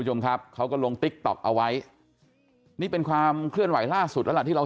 คนครับเขาก็ลงติ๊กต็อกเอาไว้นี่เป็นความเคลื่อนไหวล่าสุดละที่เรา